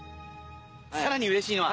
さらにうれしいのは。